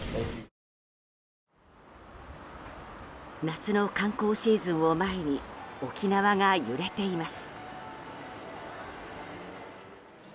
夏の観光シーズンを前に沖縄が揺れています。